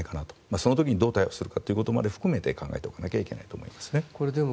その時にどう対応するかということまで含めて考えておかないといけないと思いますね。